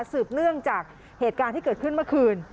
สืบเนื่องจากเหตุการณ์ที่เกิดขึ้นเมื่อคืน